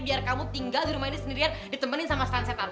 biar kamu tinggal di rumah ini sendirian ditemenin sama sunset up